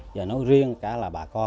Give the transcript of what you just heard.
và nói riêng cả là bà con